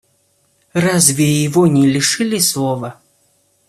Разве его не лишили слова?